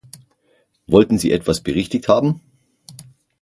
Wollten Sie etwas berichtigt haben?